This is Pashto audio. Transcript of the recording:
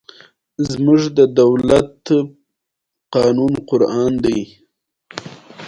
آیا وچکالي اقتصاد خرابوي؟